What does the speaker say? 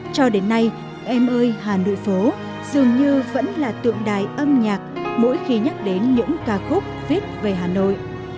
cho đến nay em ơi hà nội phố dường như vẫn là tượng đài âm nhạc mỗi khi nhắc đến những ca khúc viết về hà nội